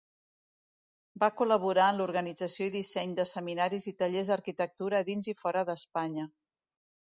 Va col·laborar en l'organització i disseny de seminaris i tallers d'arquitectura dins i fora d'Espanya.